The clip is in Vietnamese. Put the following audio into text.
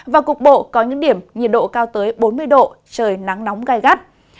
và cục bộ có những điểm nhiệt độ cao tới bốn mươi độ trời nắng nóng gai gắt